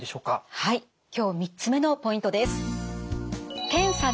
はい今日３つ目のポイントです。